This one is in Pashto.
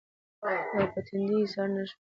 او پۀ تندې ايساره نۀ شوه